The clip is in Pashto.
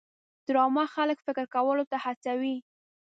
ډرامه خلک فکر کولو ته هڅوي